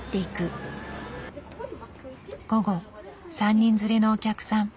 午後３人連れのお客さん。